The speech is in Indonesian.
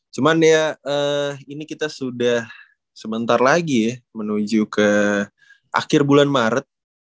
cuman ya ini kita sudah sebentar lagi ya menuju ke akhir bulan maret